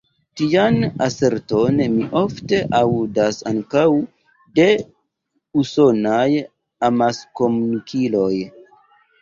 Tian aserton mi ofte aŭdas ankaŭ de usonaj amaskomunikiloj.